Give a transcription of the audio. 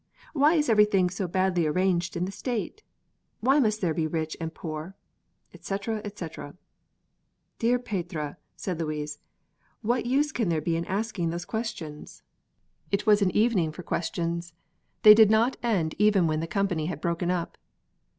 Why is everything so badly arranged in the State? Why must there be rich and poor?" etc., etc. "Dear Petrea!" said Louise, "what use can there be in asking those questions?" It was an evening for questions; they did not end even when the company had broken up.